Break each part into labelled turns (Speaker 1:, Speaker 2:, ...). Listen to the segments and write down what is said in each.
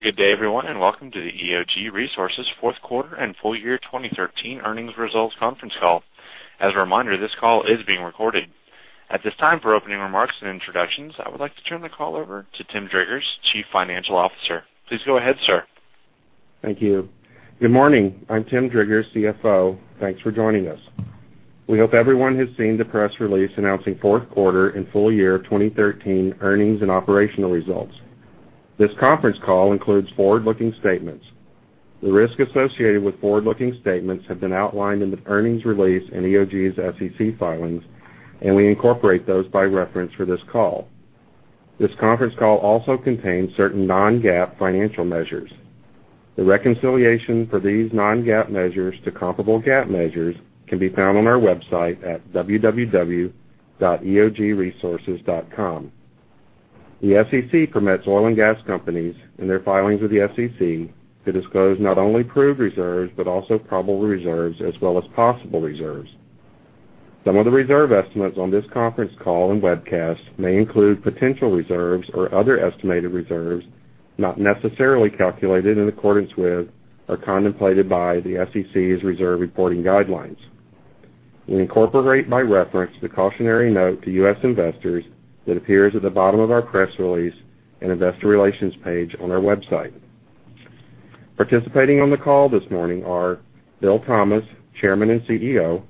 Speaker 1: Good day everyone, welcome to the EOG Resources fourth quarter and full year 2013 earnings results conference call. As a reminder, this call is being recorded. At this time, for opening remarks and introductions, I would like to turn the call over to Tim Driggers, Chief Financial Officer. Please go ahead, sir.
Speaker 2: Thank you. Good morning. I'm Tim Driggers, CFO. Thanks for joining us. We hope everyone has seen the press release announcing fourth quarter and full year 2013 earnings and operational results. This conference call includes forward-looking statements. The risk associated with forward-looking statements have been outlined in the earnings release in EOG's SEC filings. We incorporate those by reference for this call. This conference call also contains certain non-GAAP financial measures. The reconciliation for these non-GAAP measures to comparable GAAP measures can be found on our website at www.eogresources.com. The SEC permits oil and gas companies, in their filings with the SEC, to disclose not only proved reserves, but also probable reserves as well as possible reserves. Some of the reserve estimates on this conference call and webcast may include potential reserves or other estimated reserves, not necessarily calculated in accordance with or contemplated by the SEC's reserve reporting guidelines. We incorporate by reference the cautionary note to U.S. investors that appears at the bottom of our press release and Investor Relations page on our website. Participating on the call this morning are Bill Thomas, Chairman and Chief Executive Officer,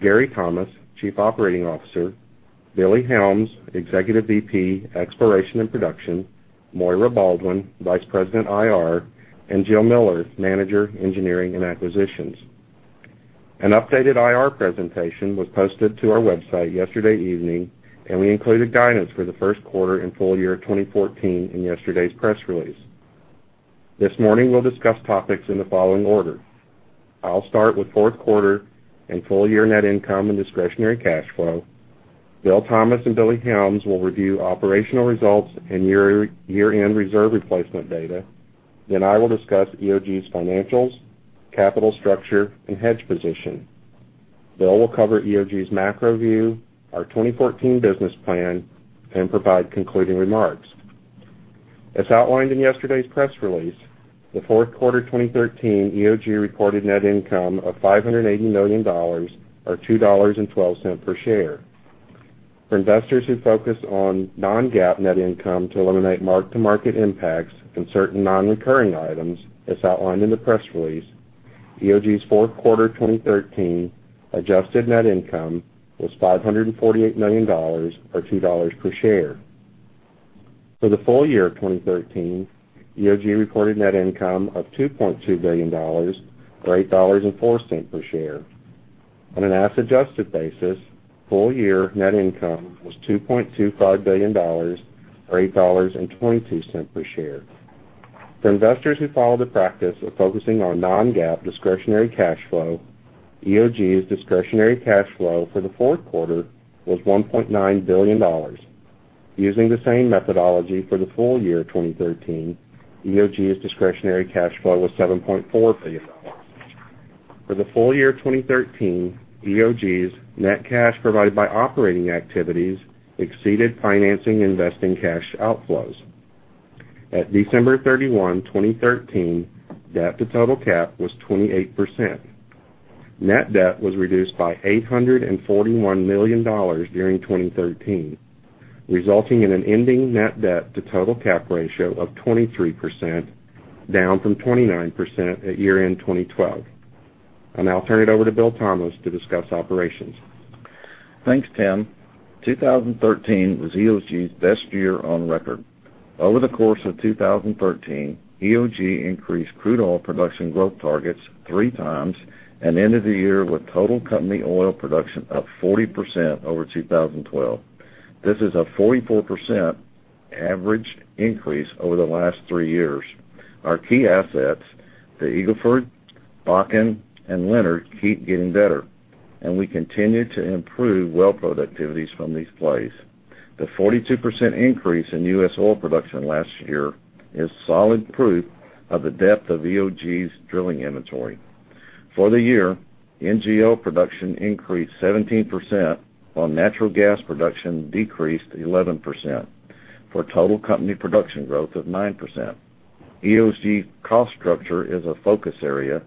Speaker 2: Gary Thomas, Chief Operating Officer, Billy Helms, Executive Vice President, Exploration and Production, Maire Baldwin, Vice President, IR, and Jill Miller, Manager, Engineering and Acquisitions. An updated IR presentation was posted to our website yesterday evening. We included guidance for the first quarter and full year 2014 in yesterday's press release. This morning, we'll discuss topics in the following order. I'll start with fourth quarter and full year net income and discretionary cash flow. Bill Thomas and Billy Helms will review operational results and year-end reserve replacement data. I will discuss EOG's financials, capital structure, and hedge position. Bill will cover EOG's macro view, our 2014 business plan, and provide concluding remarks. As outlined in yesterday's press release, the fourth quarter 2013 EOG reported net income of $580 million, or $2.12 per share. For investors who focus on non-GAAP net income to eliminate mark-to-market impacts and certain non-recurring items, as outlined in the press release, EOG's fourth quarter 2013 adjusted net income was $548 million, or $2 per share. For the full year of 2013, EOG reported net income of $2.2 billion, or $8.04 per share. On an asset adjusted basis, full year net income was $2.25 billion, or $8.22 per share. For investors who follow the practice of focusing on non-GAAP discretionary cash flow, EOG's discretionary cash flow for the fourth quarter was $1.9 billion. Using the same methodology for the full year 2013, EOG's discretionary cash flow was $7.4 billion. For the full year of 2013, EOG's net cash provided by operating activities exceeded financing investing cash outflows. At December 31, 2013, debt to total cap was 28%. Net debt was reduced by $841 million during 2013, resulting in an ending net debt to total cap ratio of 23%, down from 29% at year-end 2012. I'll now turn it over to Bill Thomas to discuss operations.
Speaker 3: Thanks, Tim. 2013 was EOG's best year on record. Over the course of 2013, EOG increased crude oil production growth targets three times and ended the year with total company oil production up 40% over 2012. This is a 44% average increase over the last three years. Our key assets, the Eagle Ford, Bakken, and Leonard, keep getting better. We continue to improve well productivities from these plays. The 42% increase in U.S. oil production last year is solid proof of the depth of EOG's drilling inventory. For the year, NGL production increased 17% while natural gas production decreased 11%, for total company production growth of 9%. EOG's cost structure is a focus area.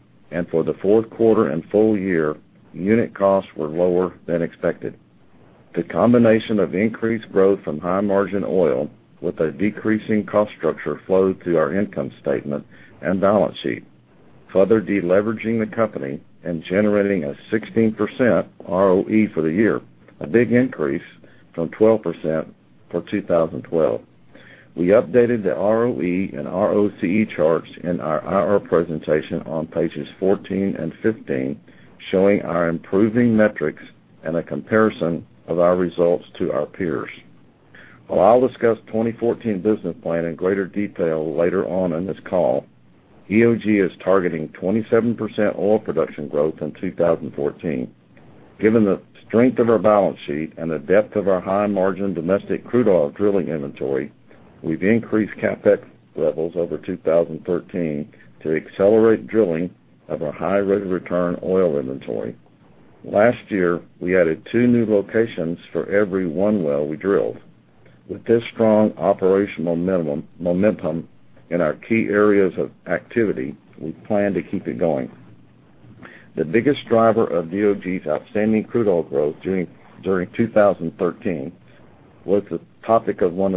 Speaker 3: For the fourth quarter and full year, unit costs were lower than expected. The combination of increased growth from high margin oil with a decreasing cost structure flowed through our income statement and balance sheet, further de-leveraging the company and generating a 16% ROE for the year, a big increase from 12% for 2012. We updated the ROE and ROCE charts in our IR presentation on pages 14 and 15, showing our improving metrics and a comparison of our results to our peers. While I'll discuss 2014 business plan in greater detail later on in this call, EOG is targeting 27% oil production growth in 2014. Given the strength of our balance sheet and the depth of our high margin domestic crude oil drilling inventory, we've increased CapEx levels over 2013 to accelerate drilling of our high rate of return oil inventory. Last year, we added two new locations for every one well we drilled. With this strong operational momentum in our key areas of activity, we plan to keep it going. The biggest driver of EOG's outstanding crude oil growth during 2013 is the topic of one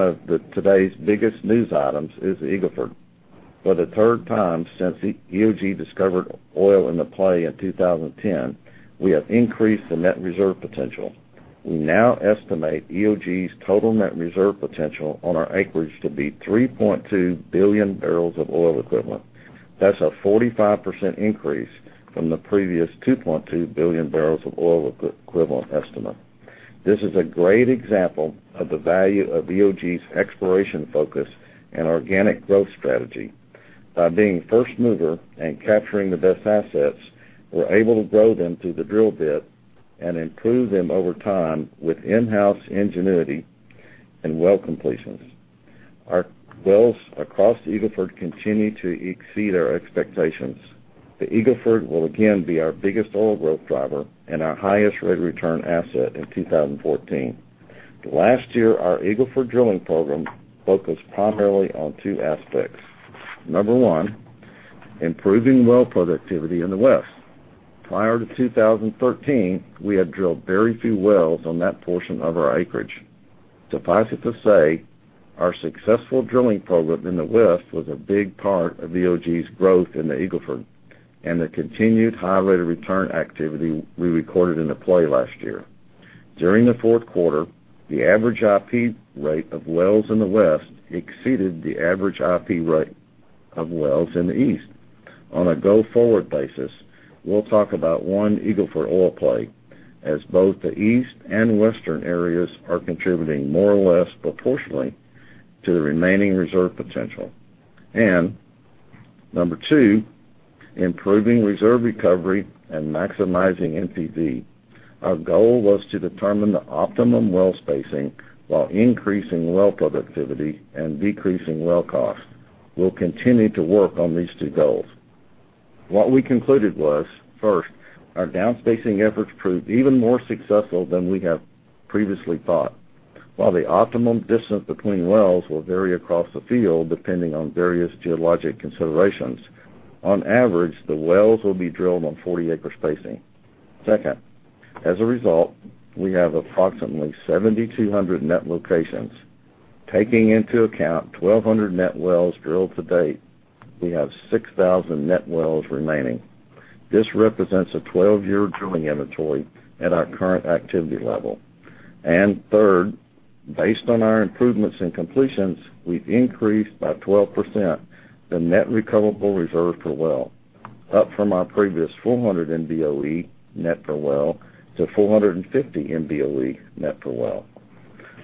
Speaker 3: of today's biggest news items, is the Eagle Ford. For the third time since EOG discovered oil in the play in 2010, we have increased the net reserve potential. We now estimate EOG's total net reserve potential on our acreage to be 3.2 billion barrels of oil equivalent. That's a 45% increase from the previous 2.2 billion barrels of oil equivalent estimate. This is a great example of the value of EOG's exploration focus and organic growth strategy. By being first mover and capturing the best assets, we're able to grow them through the drill bit and improve them over time with in-house ingenuity and well completions. Our wells across the Eagle Ford continue to exceed our expectations. The Eagle Ford will again be our biggest oil growth driver and our highest rate of return asset in 2014. Last year, our Eagle Ford drilling program focused primarily on two aspects. Number 1, improving well productivity in the west. Prior to 2013, we had drilled very few wells on that portion of our acreage. Suffice it to say, our successful drilling program in the west was a big part of EOG's growth in the Eagle Ford and the continued high rate of return activity we recorded in the play last year. During the fourth quarter, the average IP rate of wells in the west exceeded the average IP rate of wells in the east. On a go-forward basis, we'll talk about one Eagle Ford oil play, as both the east and western areas are contributing more or less proportionally to the remaining reserve potential. Number 2, improving reserve recovery and maximizing NPV. Our goal was to determine the optimum well spacing while increasing well productivity and decreasing well cost. We'll continue to work on these two goals. What we concluded was, first, our down spacing efforts proved even more successful than we have previously thought. While the optimum distance between wells will vary across the field depending on various geologic considerations, on average, the wells will be drilled on 40-acre spacing. Second, as a result, we have approximately 7,200 net locations. Taking into account 1,200 net wells drilled to date, we have 6,000 net wells remaining. This represents a 12-year drilling inventory at our current activity level. Third, based on our improvements in completions, we've increased by 12% the net recoverable reserve per well, up from our previous 400 MBOE net per well to 450 MBOE net per well.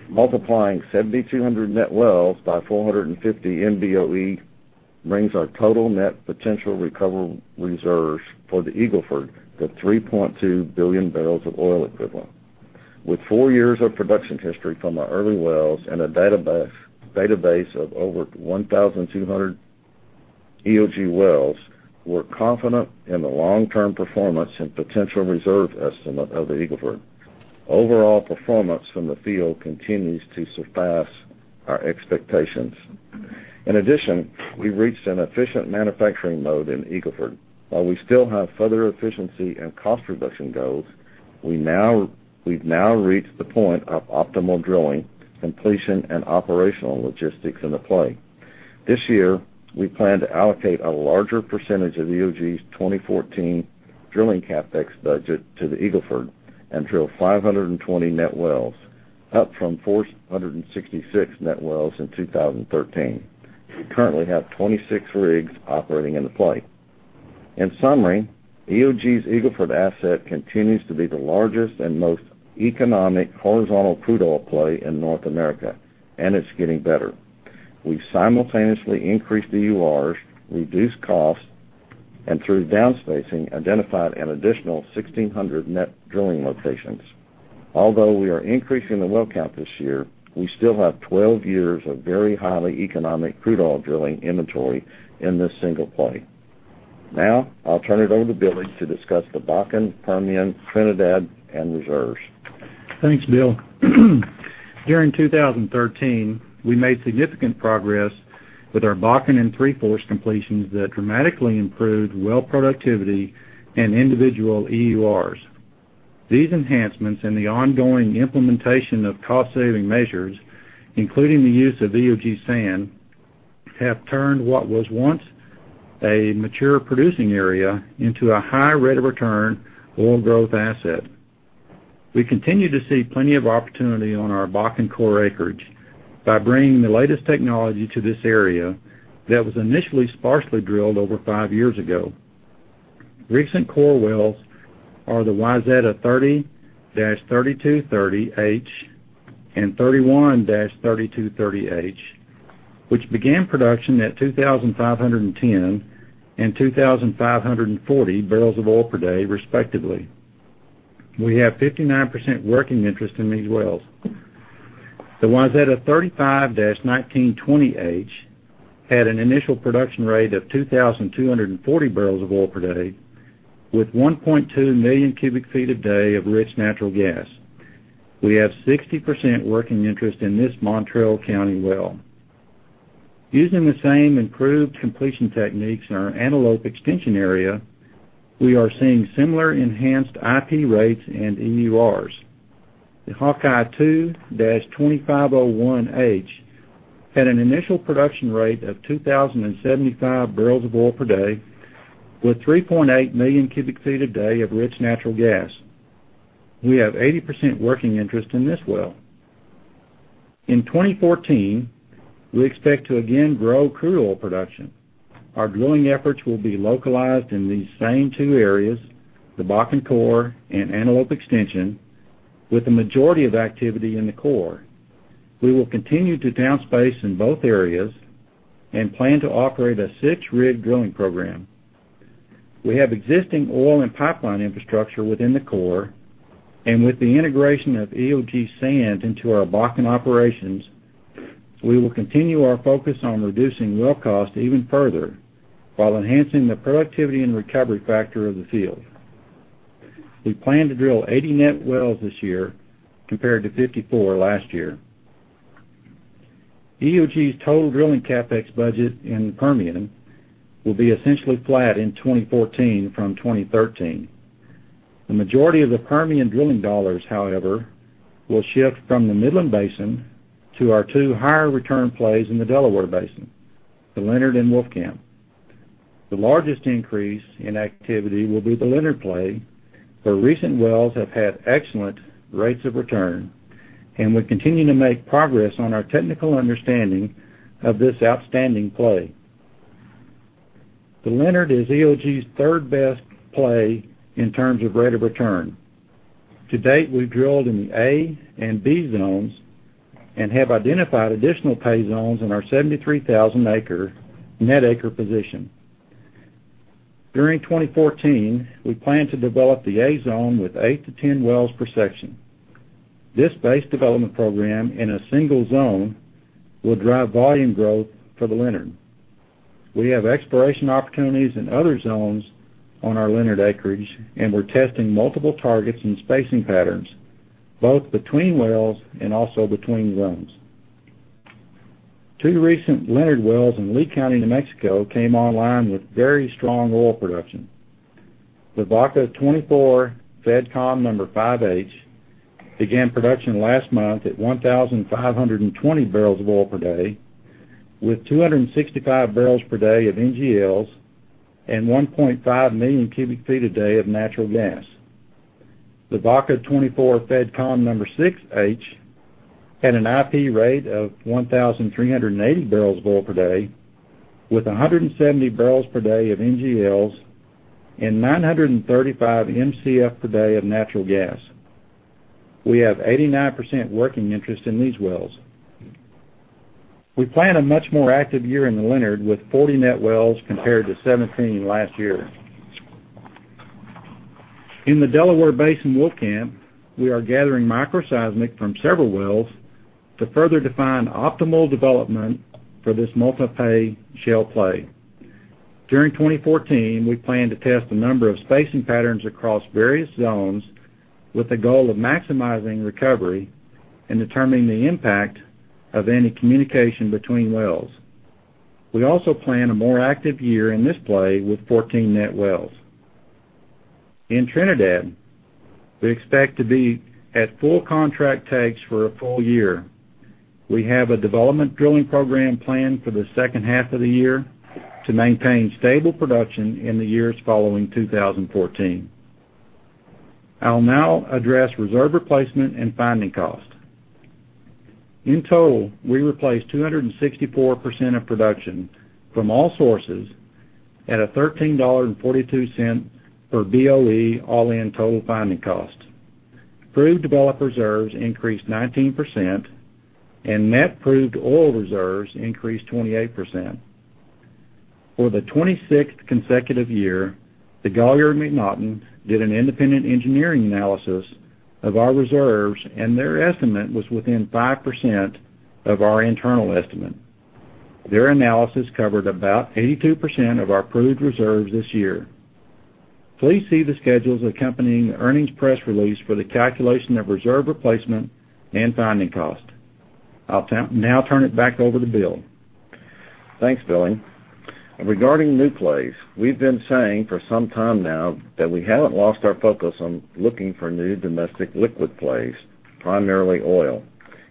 Speaker 3: Multiplying 7,200 net wells by 450 MBOE brings our total net potential recovery reserves for the Eagle Ford to 3.2 billion barrels of oil equivalent. With four years of production history from our early wells and a database of over 1,200 EOG wells, we're confident in the long-term performance and potential reserve estimate of the Eagle Ford. Overall performance from the field continues to surpass our expectations. In addition, we've reached an efficient manufacturing mode in Eagle Ford. While we still have further efficiency and cost reduction goals, we've now reached the point of optimal drilling, completion, and operational logistics in the play. This year, we plan to allocate a larger percentage of EOG's 2014 drilling CapEx budget to the Eagle Ford and drill 520 net wells, up from 466 net wells in 2013. We currently have 26 rigs operating in the play. In summary, EOG's Eagle Ford asset continues to be the largest and most economic horizontal crude oil play in North America, and it's getting better. We've simultaneously increased the EURs, reduced costs, and through down spacing, identified an additional 1,600 net drilling locations. Although we are increasing the well count this year, we still have 12 years of very highly economic crude oil drilling inventory in this single play. Now, I'll turn it over to Billy to discuss the Bakken, Permian, Trinidad, and reserves.
Speaker 4: Thanks, Bill. During 2013, we made significant progress with our Bakken and Three Forks completions that dramatically improved well productivity and individual EURs. These enhancements and the ongoing implementation of cost-saving measures, including the use of EOG sand, have turned what was once a mature producing area into a high rate of return oil growth asset. We continue to see plenty of opportunity on our Bakken core acreage by bringing the latest technology to this area that was initially sparsely drilled over five years ago. Recent core wells are the Wayzata 30-3230H and 31-3230H, which began production at 2,510 and 2,540 barrels of oil per day, respectively. We have 59% working interest in these wells. The Juarez 35-1920H had an initial production rate of 2,240 barrels of oil per day with 1.2 million cubic feet a day of rich natural gas. We have 60% working interest in this Mountrail County well. Using the same improved completion techniques in our Antelope Extension Area, we are seeing similar enhanced IP rates and EURs. The Hawkeye 2-2501H had an initial production rate of 2,075 barrels of oil per day, with 3.8 million cubic feet a day of rich natural gas. We have 80% working interest in this well. In 2014, we expect to again grow crude oil production. Our drilling efforts will be localized in these same two areas, the Bakken Core and Antelope Extension, with the majority of activity in the Core. We will continue to down space in both areas and plan to operate a six-rig drilling program. We have existing oil and pipeline infrastructure within the Core. With the integration of EOG sand into our Bakken operations, we will continue our focus on reducing well cost even further while enhancing the productivity and recovery factor of the field. We plan to drill 80 net wells this year compared to 54 last year. EOG's total drilling CapEx budget in the Permian will be essentially flat in 2014 from 2013. The majority of the Permian drilling dollars, however, will shift from the Midland Basin to our two higher return plays in the Delaware Basin, the Leonard and Wolfcamp. The largest increase in activity will be the Leonard play, where recent wells have had excellent rates of return. We're continuing to make progress on our technical understanding of this outstanding play. The Leonard is EOG's third-best play in terms of rate of return. To date, we've drilled in the A and B zones and have identified additional pay zones in our 73,000 net acre position. During 2014, we plan to develop the A zone with eight to 10 wells per section. This base development program in a single zone will drive volume growth for the Leonard. We have exploration opportunities in other zones on our Leonard acreage. We're testing multiple targets and spacing patterns, both between wells and also between zones. Two recent Leonard wells in Lee County, New Mexico, came online with very strong oil production. The Baca 24 FedCom number 5H began production last month at 1,520 barrels of oil per day with 265 barrels per day of NGLs and 1.5 million cubic feet a day of natural gas. The Baca 24 FedCom number 6H had an IP rate of 1,380 barrels of oil per day with 170 barrels per day of NGLs and 935 MCF per day of natural gas. We have 89% working interest in these wells. We plan a much more active year in the Leonard with 40 net wells compared to 17 last year. In the Delaware Basin Wolfcamp, we are gathering microseismic from several wells to further define optimal development for this multi-pay shale play. During 2014, we plan to test a number of spacing patterns across various zones with the goal of maximizing recovery and determining the impact of any communication between wells. We also plan a more active year in this play with 14 net wells. In Trinidad, we expect to be at full contract takes for a full year. We have a development drilling program planned for the second half of the year to maintain stable production in the years following 2014. I'll now address reserve replacement and finding cost. In total, we replaced 264% of production from all sources at a $13.42 per BOE all-in total finding cost. Proved developed reserves increased 19%, and net proved oil reserves increased 28%. For the 26th consecutive year, DeGolyer and MacNaughton did an independent engineering analysis of our reserves, and their estimate was within 5% of our internal estimate. Their analysis covered about 82% of our proved reserves this year. Please see the schedules accompanying the earnings press release for the calculation of reserve replacement and finding cost. I'll now turn it back over to Bill.
Speaker 3: Thanks, Billy. Regarding new plays, we've been saying for some time now that we haven't lost our focus on looking for new domestic liquid plays, primarily oil.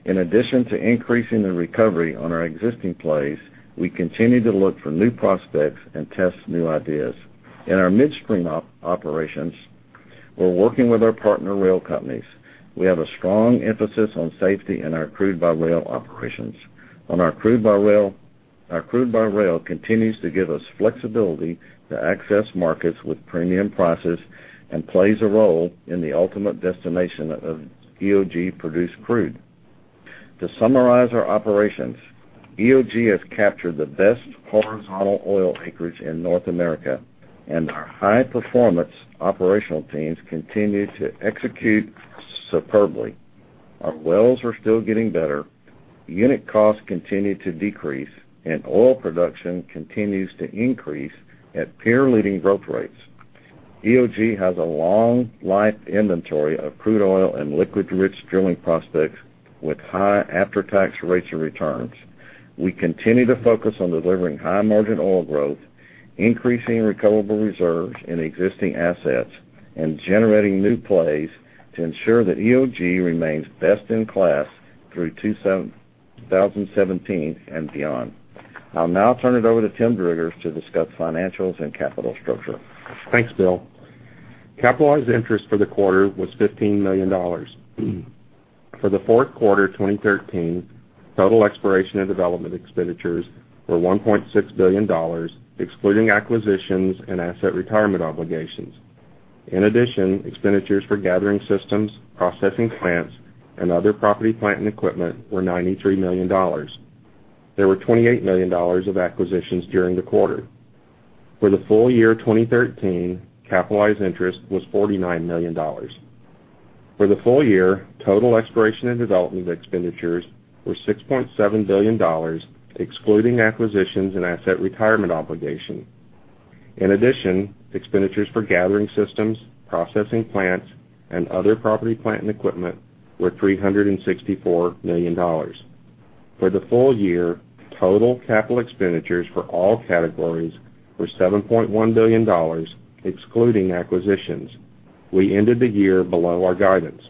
Speaker 3: In addition to increasing the recovery on our existing plays, we continue to look for new prospects and test new ideas. In our midstream operations, we're working with our partner rail companies. We have a strong emphasis on safety in our crude by rail operations. Our crude by rail continues to give us flexibility to access markets with premium prices and plays a role in the ultimate destination of EOG produced crude. To summarize our operations, EOG has captured the best horizontal oil acreage in North America, and our high-performance operational teams continue to execute superbly. Our wells are still getting better, unit costs continue to decrease, and oil production continues to increase at peer-leading growth rates. EOG has a long life inventory of crude oil and liquids-rich drilling prospects with high after-tax rates of returns. We continue to focus on delivering high-margin oil growth, increasing recoverable reserves in existing assets, and generating new plays to ensure that EOG remains best in class through 2017 and beyond. I'll now turn it over to Tim Driggers to discuss financials and capital structure.
Speaker 2: Thanks, Bill. Capitalized interest for the quarter was $15 million. For the fourth quarter 2013, total exploration and development expenditures were $1.6 billion, excluding acquisitions and asset retirement obligations. In addition, expenditures for gathering systems, processing plants, and other property, plant, and equipment were $93 million. There were $28 million of acquisitions during the quarter. For the full year 2013, capitalized interest was $49 million. For the full year, total exploration and development expenditures were $6.7 billion, excluding acquisitions and asset retirement obligation. In addition, expenditures for gathering systems, processing plants, and other property, plant, and equipment were $364 million. For the full year, total capital expenditures for all categories were $7.1 billion, excluding acquisitions. We ended the year below our guidance.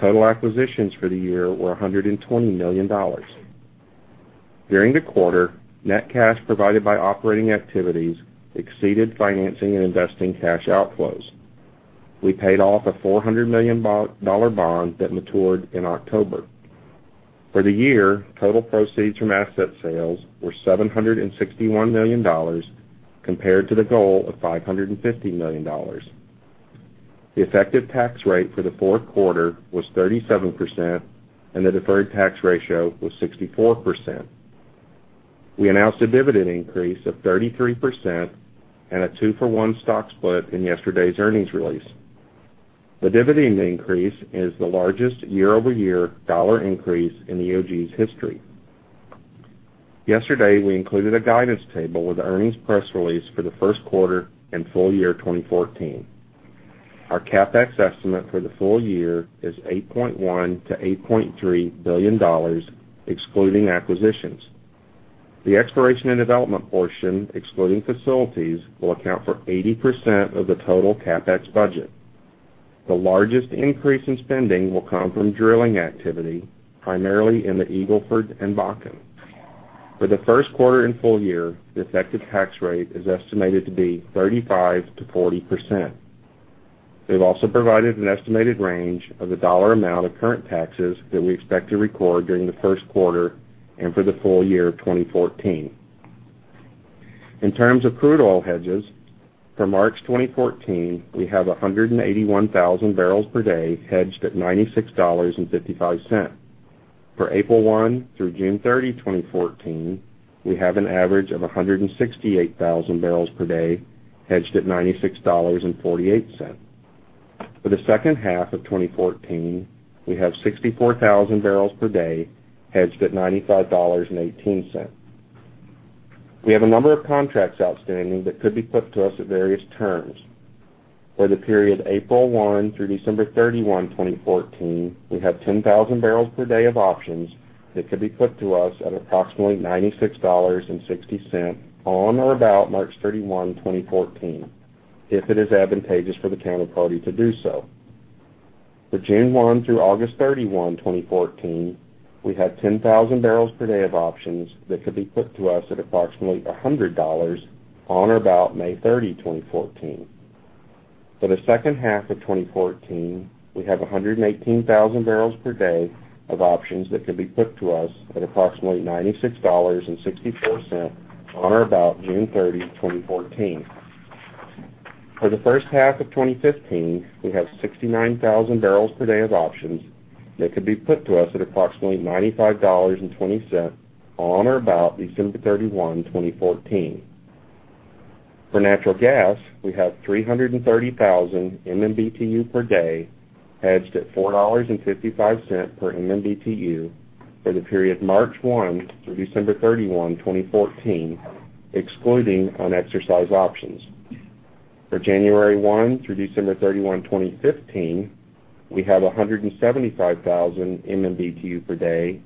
Speaker 2: Total acquisitions for the year were $120 million. During the quarter, net cash provided by operating activities exceeded financing and investing cash outflows. We paid off a $400 million bond that matured in October. For the year, total proceeds from asset sales were $761 million, compared to the goal of $550 million. The effective tax rate for the fourth quarter was 37%, and the deferred tax ratio was 64%. We announced a dividend increase of 33% and a two-for-one stock split in yesterday's earnings release. The dividend increase is the largest year-over-year dollar increase in EOG's history. Yesterday, we included a guidance table with the earnings press release for the first quarter and full year 2014. Our CapEx estimate for the full year is $8.1 billion-$8.3 billion, excluding acquisitions. The exploration and development portion, excluding facilities, will account for 80% of the total CapEx budget. The largest increase in spending will come from drilling activity, primarily in the Eagle Ford and Bakken. For the first quarter and full year, the effective tax rate is estimated to be 35%-40%. We've also provided an estimated range of the dollar amount of current taxes that we expect to record during the first quarter and for the full year of 2014. In terms of crude oil hedges, for March 2014, we have 181,000 barrels per day hedged at $96.55. For April 1 through June 30, 2014, we have an average of 168,000 barrels per day hedged at $96.48. For the second half of 2014, we have 64,000 barrels per day hedged at $95.18. We have a number of contracts outstanding that could be put to us at various terms. For the period April 1 through December 31, 2014, we have 10,000 barrels per day of options that could be put to us at approximately $96.60 on or about March 31, 2014, if it is advantageous for the counterparty to do so. For June 1 through August 31, 2014, we have 10,000 barrels per day of options that could be put to us at approximately $100 on or about May 30, 2014. For the second half of 2014, we have 118,000 barrels per day of options that could be put to us at approximately $96.64 on or about June 30, 2014. For the first half of 2015, we have 69,000 barrels per day of options that could be put to us at approximately $95.20 on or about December 31, 2014. For natural gas, we have 330,000 MMBtu per day hedged at $4.55 per MMBtu for the period March 1 through December 31, 2014, excluding unexercised options. For January 1 through December 31, 2015, we have 175,000 MMBtu per day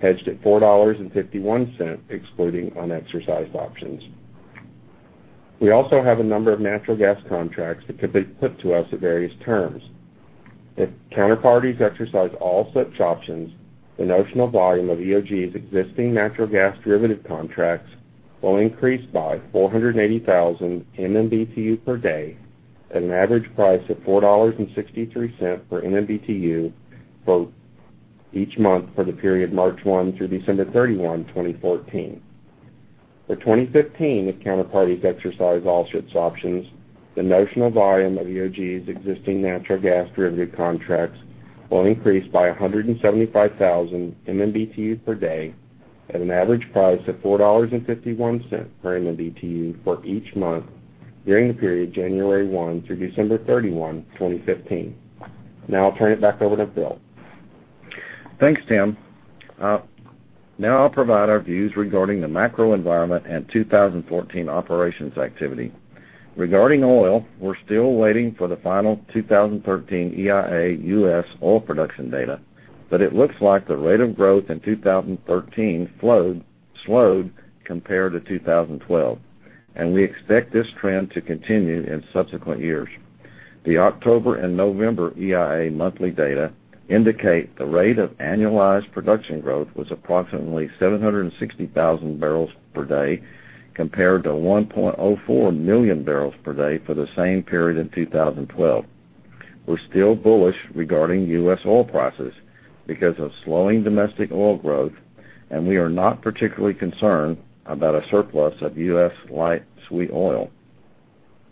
Speaker 2: hedged at $4.51, excluding unexercised options. We also have a number of natural gas contracts that could be put to us at various terms. If counterparties exercise all such options, the notional volume of EOG's existing natural gas derivative contracts will increase by 480,000 MMBtu per day at an average price of $4.63 per MMBtu both each month for the period March 1 through December 31, 2014. For 2015, if counterparties exercise all such options, the notional volume of EOG's existing natural gas derivative contracts will increase by 175,000 MMBtu per day at an average price of $4.51 per MMBtu for each month during the period January 1 through December 31, 2015. I'll turn it back over to Bill.
Speaker 3: Thanks, Tim. I'll provide our views regarding the macro environment and 2014 operations activity. Regarding oil, we're still waiting for the final 2013 U.S. EIA oil production data, but it looks like the rate of growth in 2013 slowed compared to 2012. We expect this trend to continue in subsequent years. The October and November EIA monthly data indicate the rate of annualized production growth was approximately 760,000 barrels per day, compared to 1.04 million barrels per day for the same period in 2012. We're still bullish regarding U.S. oil prices because of slowing domestic oil growth. We are not particularly concerned about a surplus of U.S. light sweet oil.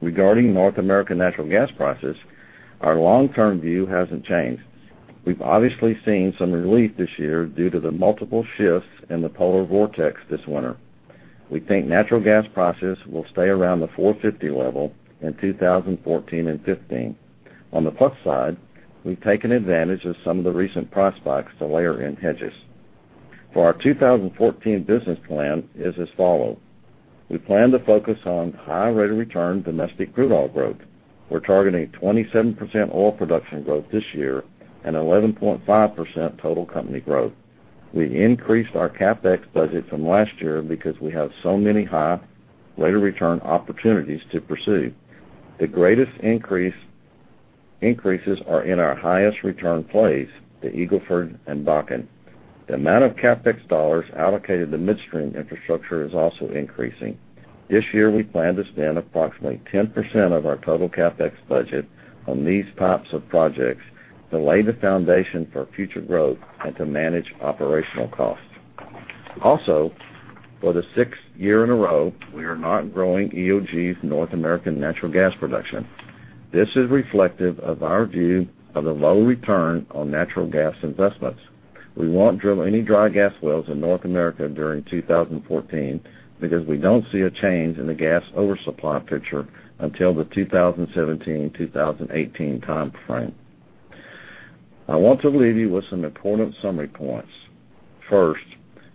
Speaker 3: Regarding North American natural gas prices, our long-term view hasn't changed. We've obviously seen some relief this year due to the multiple shifts in the polar vortex this winter. We think natural gas prices will stay around the $4.50 level in 2014 and 2015. On the plus side, we've taken advantage of some of the recent price spikes to layer in hedges. Our 2014 business plan is as follows: We plan to focus on high rate of return domestic crude oil growth. We're targeting 27% oil production growth this year and 11.5% total company growth. We increased our CapEx budget from last year because we have so many high rate of return opportunities to pursue. The greatest increases are in our highest return plays, the Eagle Ford and Bakken. The amount of CapEx dollars allocated to midstream infrastructure is also increasing. This year, we plan to spend approximately 10% of our total CapEx budget on these types of projects to lay the foundation for future growth and to manage operational costs. For the sixth year in a row, we are not growing EOG's North American natural gas production. This is reflective of our view of the low return on natural gas investments. We won't drill any dry gas wells in North America during 2014 because we don't see a change in the gas oversupply picture until the 2017-2018 timeframe. I want to leave you with some important summary points. First,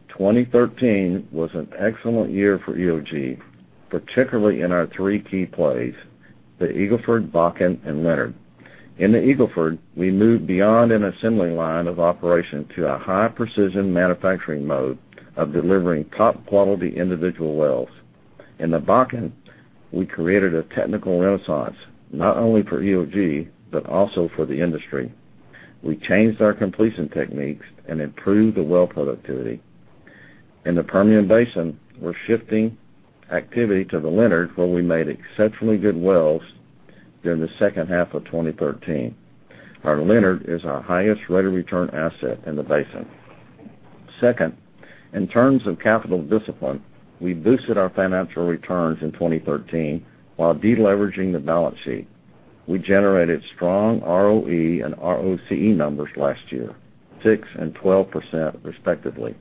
Speaker 3: 2013 was an excellent year for EOG, particularly in our three key plays, the Eagle Ford, Bakken, and Leonard. In the Eagle Ford, we moved beyond an assembly line of operation to a high-precision manufacturing mode of delivering top-quality individual wells. In the Bakken, we created a technical renaissance not only for EOG but also for the industry. We changed our completion techniques and improved the well productivity. In the Permian Basin, we're shifting activity to the Leonard, where we made exceptionally good wells during the second half of 2013. Our Leonard is our highest rate of return asset in the basin. Second, in terms of capital discipline, we boosted our financial returns in 2013 while de-leveraging the balance sheet. We generated strong ROE and ROCE numbers last year, 16% and 12% respectively.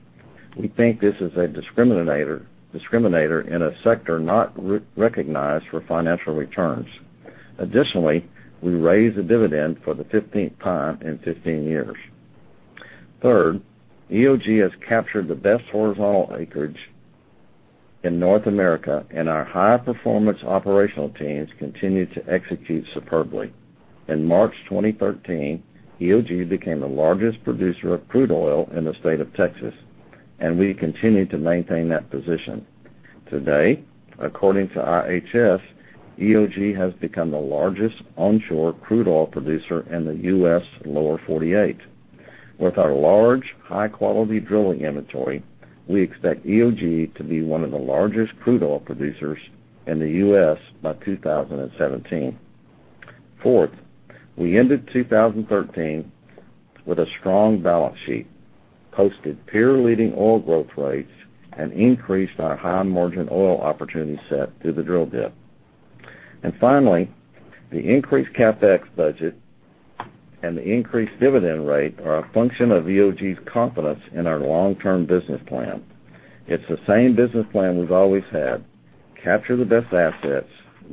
Speaker 3: We think this is a discriminator in a sector not recognized for financial returns. Additionally, we raised the dividend for the 15th time in 15 years. Third, EOG has captured the best horizontal acreage in North America. Our high-performance operational teams continue to execute superbly. In March 2013, EOG became the largest producer of crude oil in the state of Texas. We continue to maintain that position. Today, according to IHS, EOG has become the largest onshore crude oil producer in the U.S. Lower 48. With our large, high-quality drilling inventory, we expect EOG to be one of the largest crude oil producers in the U.S. by 2017. Fourth, we ended 2013 with a strong balance sheet, posted peer-leading oil growth rates, and increased our high-margin oil opportunity set through the drill bit. Finally, the increased CapEx budget and the increased dividend rate are a function of EOG's confidence in our long-term business plan. It's the same business plan we've always had: Capture the best assets,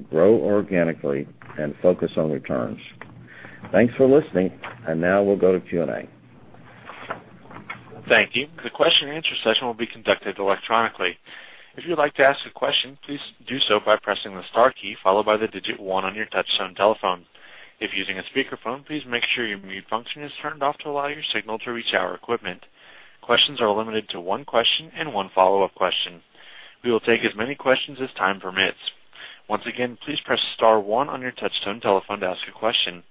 Speaker 3: grow organically, and focus on returns. Thanks for listening. Now we'll go to Q&A.
Speaker 1: Thank you. The question and answer session will be conducted electronically. If you'd like to ask a question, please do so by pressing the star key, followed by the digit one on your touch tone telephone. If using a speakerphone, please make sure your mute function is turned off to allow your signal to reach our equipment. Questions are limited to one question and one follow-up question. We will take as many questions as time permits. Once again, please press star one on your touch tone telephone to ask a question.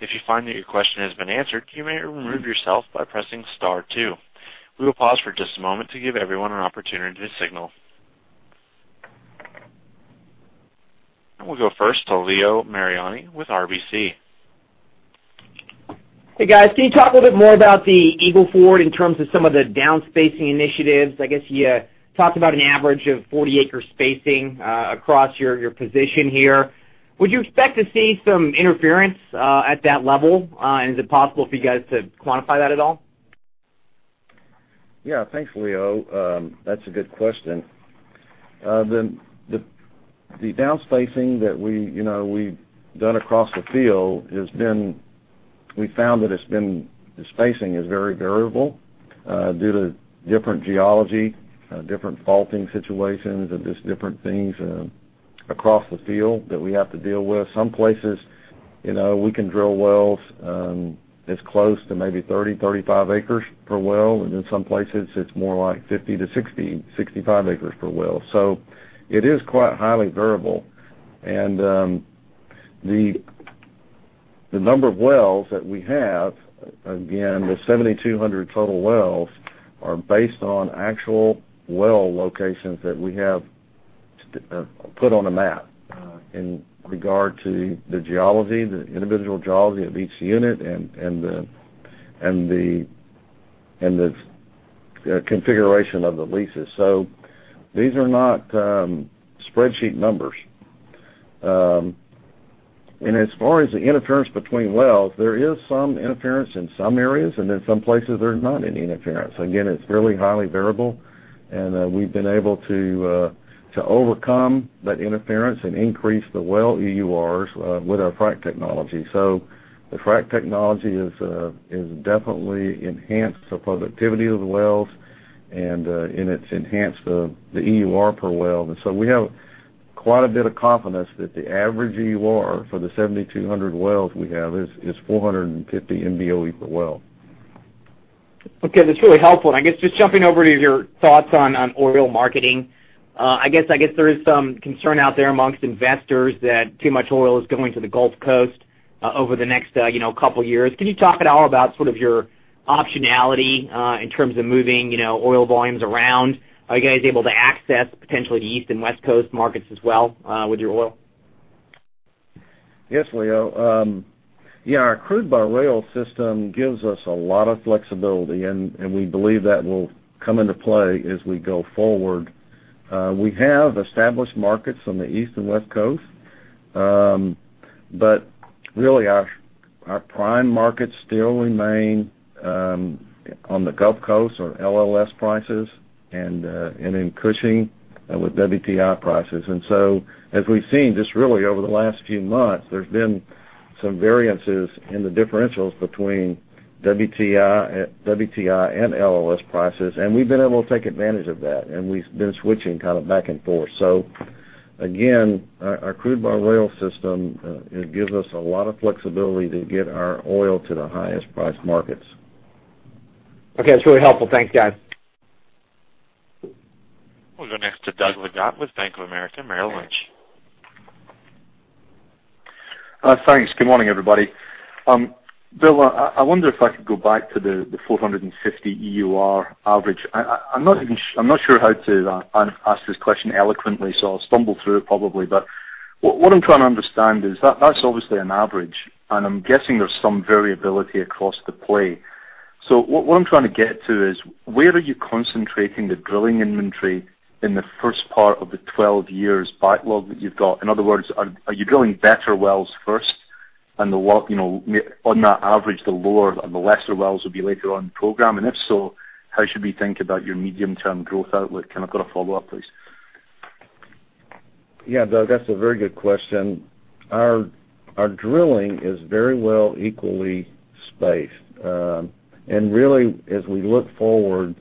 Speaker 1: If you find that your question has been answered, you may remove yourself by pressing star two. We will pause for just a moment to give everyone an opportunity to signal. We'll go first to Leo Mariani with RBC.
Speaker 5: Hey, guys. Can you talk a little bit more about the Eagle Ford in terms of some of the downspacing initiatives? I guess you talked about an average of 40 acre spacing across your position here. Would you expect to see some interference at that level? Is it possible for you guys to quantify that at all?
Speaker 3: Yeah. Thanks, Leo. That's a good question. The downspacing that we've done across the field, we found that the spacing is very variable, due to different geology, different faulting situations, and just different things across the field that we have to deal with. Some places, we can drill wells as close to maybe 30, 35 acres per well, in some places it's more like 50 to 60, 65 acres per well. It is quite highly variable. The number of wells that we have, again, the 7,200 total wells are based on actual well locations that we have put on a map, in regard to the geology, the individual geology of each unit, and the configuration of the leases. These are not spreadsheet numbers. As far as the interference between wells, there is some interference in some areas, in some places there's not any interference. Again, it's really highly variable, and we've been able to overcome that interference and increase the well EURs with our frack technology. The frack technology has definitely enhanced the productivity of the wells and it's enhanced the EUR per well. We have quite a bit of confidence that the average EUR for the 7,200 wells we have is 450 BOE per well.
Speaker 5: Okay. That's really helpful. I guess just jumping over to your thoughts on oil marketing, I guess there is some concern out there amongst investors that too much oil is going to the Gulf Coast over the next couple of years. Can you talk at all about sort of your optionality, in terms of moving oil volumes around? Are you guys able to access potentially the East and West Coast markets as well with your oil?
Speaker 3: Yes, Leo. Our crude by rail system gives us a lot of flexibility, and we believe that will come into play as we go forward. We have established markets on the East and West Coast. Really, our prime markets still remain on the Gulf Coast on LLS prices and in Cushing with WTI prices. As we've seen, just really over the last few months, there's been some variances in the differentials between WTI and LLS prices, and we've been able to take advantage of that, and we've been switching kind of back and forth. Again, our crude by rail system, it gives us a lot of flexibility to get our oil to the highest priced markets.
Speaker 5: Okay. That's really helpful. Thanks, guys.
Speaker 1: We'll go next to Doug Leggate with Bank of America Merrill Lynch.
Speaker 6: Thanks. Good morning, everybody. Bill, I wonder if I could go back to the 450 EUR average. I'm not sure how to ask this question eloquently, I'll stumble through it probably. What I'm trying to understand is, that's obviously an average, and I'm guessing there's some variability across the play. What I'm trying to get to is, where are you concentrating the drilling inventory in the first part of the 12 years backlog that you've got? In other words, are you drilling better wells first? On that average, the lower and the lesser wells will be later on in the program. If so, how should we think about your medium-term growth outlook? I've got a follow-up, please.
Speaker 3: Doug, that's a very good question. Our drilling is very well equally spaced. Really, as we look forward,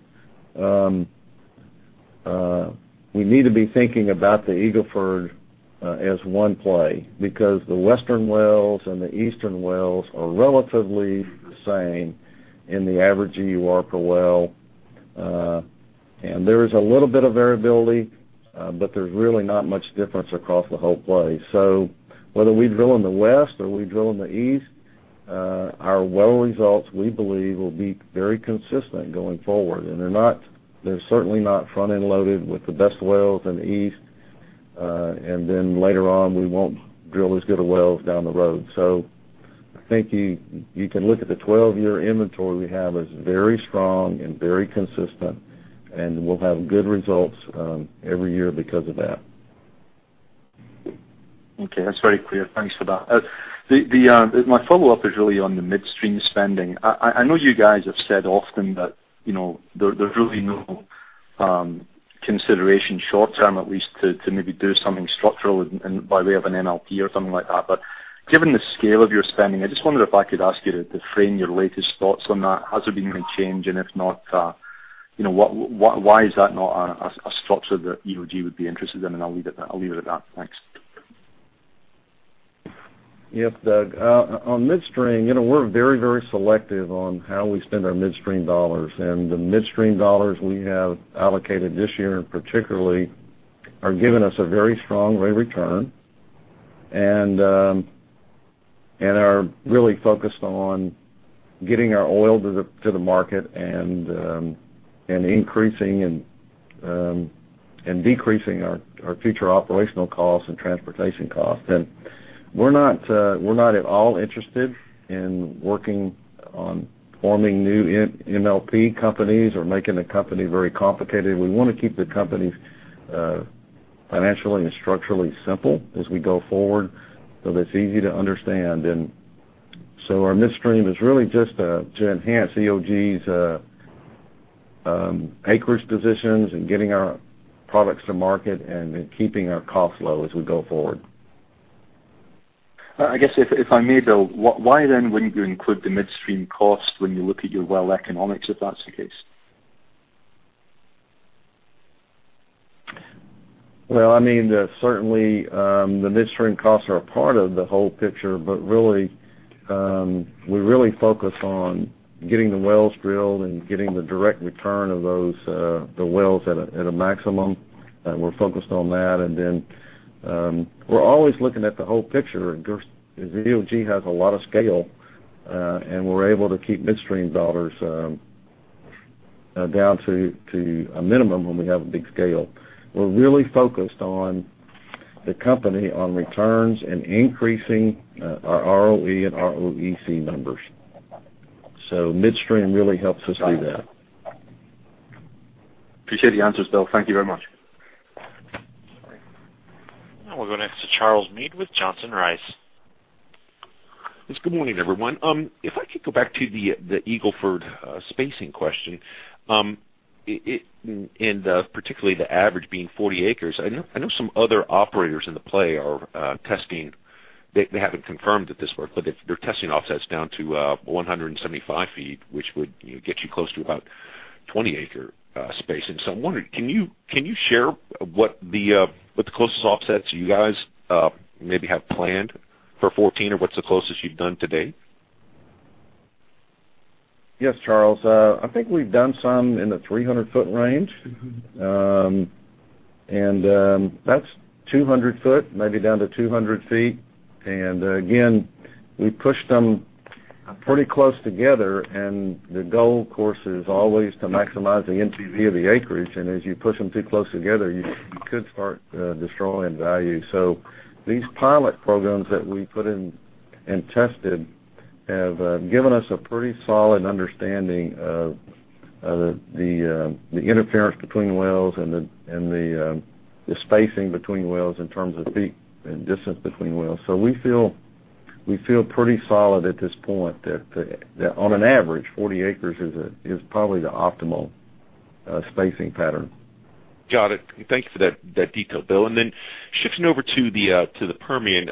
Speaker 3: we need to be thinking about the Eagle Ford as one play because the western wells and the eastern wells are relatively the same in the average EUR per well. There is a little bit of variability, but there's really not much difference across the whole play. Whether we drill in the west or we drill in the east, our well results, we believe, will be very consistent going forward. They're certainly not front-end loaded with the best wells in the east, later on, we won't drill as good a wells down the road. I think you can look at the 12-year inventory we have as very strong and very consistent, and we'll have good results every year because of that.
Speaker 6: Okay. That's very clear. Thanks for that. My follow-up is really on the midstream spending. I know you guys have said often that there's really no consideration short term, at least, to maybe do something structural by way of an MLP or something like that. Given the scale of your spending, I just wondered if I could ask you to frame your latest thoughts on that. Has there been any change? If not, why is that not a structure that EOG would be interested in? I'll leave it at that. Thanks.
Speaker 3: Doug, on midstream, we're very selective on how we spend our midstream dollars, the midstream dollars we have allocated this year particularly are giving us a very strong rate of return. Are really focused on getting our oil to the market and increasing and decreasing our future operational costs and transportation costs. We're not at all interested in working on forming new MLP companies or making the company very complicated. We want to keep the companies financially and structurally simple as we go forward so that it's easy to understand. Our midstream is really just to enhance EOG's acreage positions and getting our products to market and keeping our costs low as we go forward.
Speaker 6: I guess if I may, Bill, why then wouldn't you include the midstream cost when you look at your well economics, if that's the case?
Speaker 3: Well, certainly, the midstream costs are a part of the whole picture, really, we really focus on getting the wells drilled and getting the direct return of the wells at a maximum. We're focused on that, then we're always looking at the whole picture. EOG has a lot of scale, and we're able to keep midstream dollars down to a minimum when we have a big scale. We're really focused on the company on returns and increasing our ROE and ROCE numbers. Midstream really helps us do that.
Speaker 6: Appreciate the answers, Bill. Thank you very much.
Speaker 1: We'll go next to Charles Meade with Johnson Rice.
Speaker 7: Yes, good morning, everyone. If I could go back to the Eagle Ford spacing question, particularly the average being 40 acres. I know some other operators in the play are testing. They haven't confirmed it, but they're testing offsets down to 175 feet, which would get you close to about 20-acre spacing. I'm wondering, can you share what the closest offsets you guys maybe have planned for 2014 or what's the closest you've done to date?
Speaker 3: Yes, Charles. I think we've done some in the 300-foot range. That's 200 foot, maybe down to 200 feet. Again, we pushed them pretty close together and the goal, of course, is always to maximize the NPV of the acreage, and as you push them too close together, you could start destroying value. These pilot programs that we put in and tested have given us a pretty solid understanding of the interference between wells and the spacing between wells in terms of feet and distance between wells. We feel pretty solid at this point that on an average, 40 acres is probably the optimal spacing pattern.
Speaker 7: Got it. Thank you for that detail, Bill. Then shifting over to the Permian.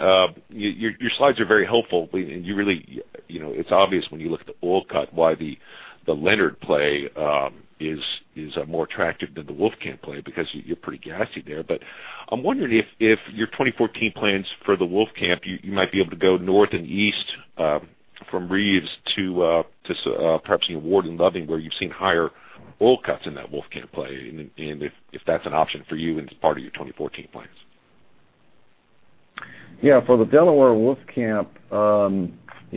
Speaker 7: Your slides are very helpful. It's obvious when you look at the oil cut, why the Leonard play is more attractive than the Wolfcamp play because you're pretty gassy there. I'm wondering if your 2014 plans for the Wolfcamp, you might be able to go north and east from Reeves to perhaps even Ward and Loving where you've seen higher oil cuts in that Wolfcamp play, and if that's an option for you and it's part of your 2014 plans.
Speaker 3: Yeah, for the Delaware Wolfcamp,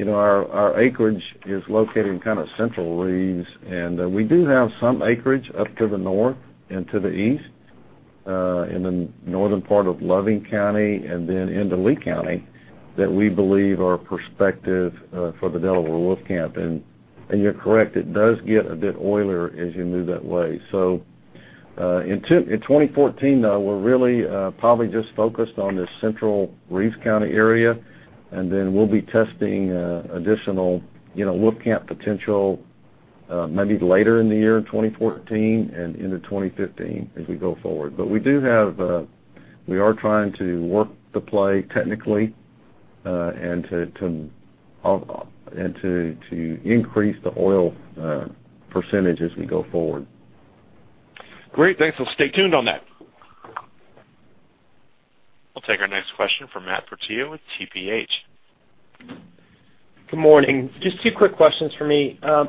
Speaker 3: our acreage is located in central Reeves, and we do have some acreage up to the north and to the east, in the northern part of Loving County and then into Lee County, that we believe are prospective for the Delaware Wolfcamp. You're correct, it does get a bit oilier as you move that way. In 2014, though, we're really probably just focused on this central Reeves County area, and then we'll be testing additional Wolfcamp potential maybe later in the year 2014 and into 2015 as we go forward. We are trying to work the play technically, and to increase the oil percentage as we go forward.
Speaker 7: Great. Thanks. I'll stay tuned on that.
Speaker 1: I'll take our next question from Matt Portillo with TPH.
Speaker 8: Good morning. Just two quick questions from me. I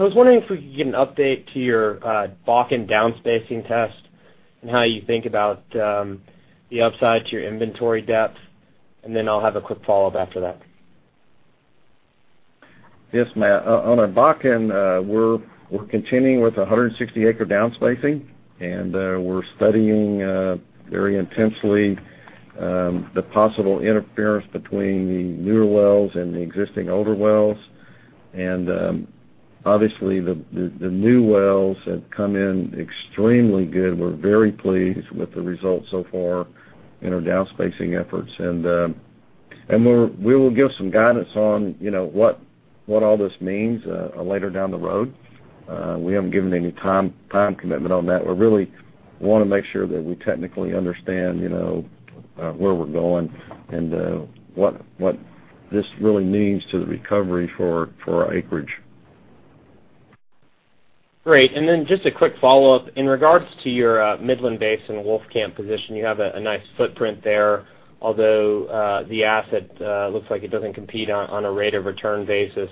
Speaker 8: was wondering if we could get an update to your Bakken downspacing test and how you think about the upside to your inventory depth, and then I'll have a quick follow-up after that.
Speaker 3: Yes, Matt. On our Bakken, we're continuing with 160 acre downspacing, we're studying very intensely the possible interference between the newer wells and the existing older wells, obviously, the new wells have come in extremely good. We're very pleased with the results so far in our downspacing efforts. We will give some guidance on what all this means later down the road. We haven't given any time commitment on that. We really want to make sure that we technically understand where we're going and what this really means to the recovery for our acreage.
Speaker 8: Great. Then just a quick follow-up. In regards to your Midland Basin Wolfcamp position, you have a nice footprint there, although the asset looks like it doesn't compete on a rate of return basis